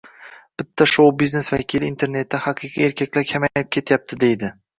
Bitta Shou-biznes vakilasi internetda "Haqiqiy erkaklar kamayib ketyapti..." deydi.